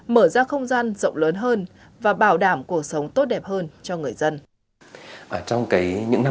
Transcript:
mở ra không gian rộng lớn hơn và bảo đảm cuộc sống tốt đẹp hơn cho người dân